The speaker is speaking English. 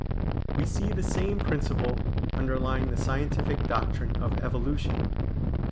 We see the same principle underlying the scientific doctrine of evolution.